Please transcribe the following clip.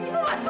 ibu gak sudi